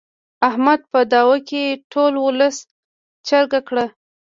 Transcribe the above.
احمد په دعوه کې ټول ولس چرګه کړ.